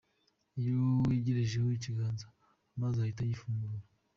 Iyo wegerejeho ikiganza, amazi ahita yifungura.